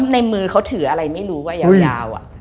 ในมือเขาถืออะไรไม่รู้ว่ายาว